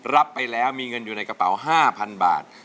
รับไปแล้วมีเงินอยู่ในกระเป๋า๕๐๐๐บาท